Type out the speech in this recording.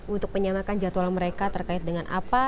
untuk menyamakan jadwal mereka terkait dengan apa